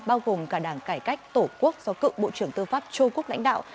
bao gồm cả đảng cải cách tổ quốc do cựu bộ trưởng tư pháp châu quốc lãnh đạo